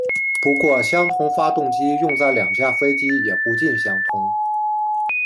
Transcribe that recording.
不过相同发动机用在两架飞机也不尽相通。